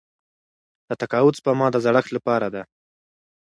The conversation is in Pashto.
د تقاعد سپما د زړښت لپاره ده.